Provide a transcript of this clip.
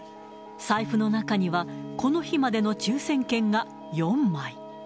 財布の中には、この日までの抽せん券が４枚。